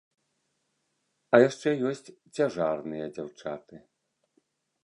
А яшчэ ёсць цяжарныя дзяўчаты.